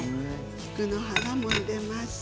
菊の花も入れます。